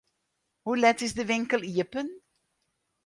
Hoe let is de winkel iepen?